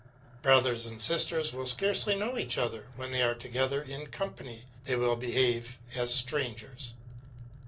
Brothers and sisters will scarcely know each other; when they are together in company they will behave as strangers.